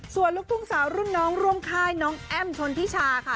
ส่วนลูกทุ่งสาวรุ่นน้องร่วมค่ายน้องแอ้มชนทิชาค่ะ